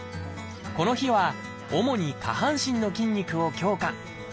この日は主に下半身の筋肉を強化。